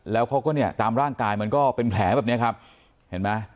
แล้วเขาก็เนี่ยตามร่างกายมันก็เป็นแผลแบบเนี้ยครับเห็นไหม